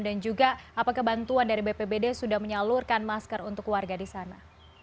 dan juga apa kebantuan dari bpbd sudah menyalurkan masker untuk warga di sana